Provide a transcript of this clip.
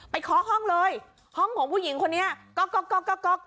ไปคอกห้องเลยห้องห่วงผู้หญิงคนนี้ก๊อกก๊อกก๊อก